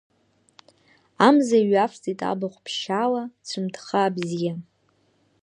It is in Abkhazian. Амза ҩавҵит абахә ԥшьаала, цәамҭхаа бзиа!